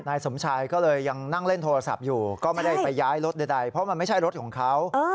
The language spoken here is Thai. นายสมชายก็เลยยังนั่งเล่นโทรศัพท์อยู่ก็ไม่ได้ไปย้ายรถใดเพราะมันไม่ใช่รถของเขา